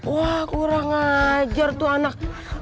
wah kurang ajar tuh anak